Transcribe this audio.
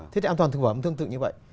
thế thì an toàn thực phẩm thương tự như vậy